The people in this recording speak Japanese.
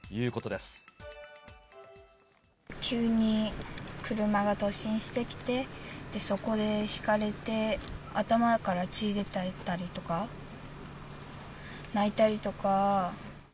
急に車が突進してきて、そこでひかれて、頭から血出たりとか、泣いたりとか。